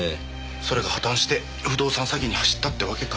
それが破たんして不動産詐欺に走ったってわけか。